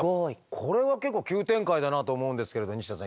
これは結構急展開だなと思うんですけれど西田さん